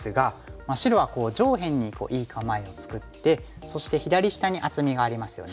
白は上辺にいい構えを作ってそして左下に厚みがありますよね。